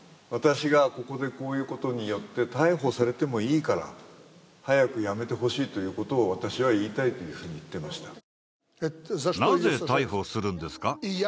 私がここでこう言うことによって逮捕されてもいいから早くやめてほしいということを私は言いたいというふうに言っていました。